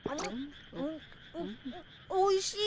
おいしいね